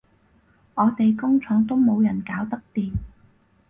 我哋工廠都冇人搞得掂